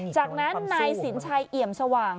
จากนั้นนายสินชัยเอี่ยมสว่าง